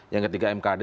yang ketiga mkd